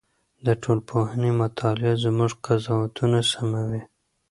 د ټولنپوهنې مطالعه زموږ قضاوتونه سموي.